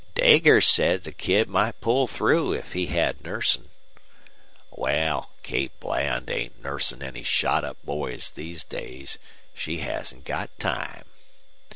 "Deger says the Kid might pull through if he hed nursin'." "Wal, Kate Bland ain't nursin' any shot up boys these days. She hasn't got time."